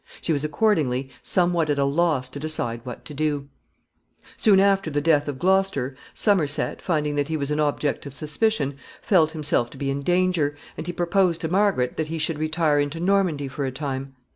She was accordingly somewhat at a loss to decide what to do. [Sidenote: Somerset.] Soon after the death of Gloucester, Somerset, finding that he was an object of suspicion, felt himself to be in danger, and he proposed to Margaret that he should retire into Normandy for a time.